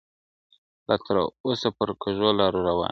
لا تر اوسه پر کږو لارو روان یې,